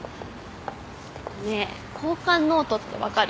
ねえ交換ノートって分かる？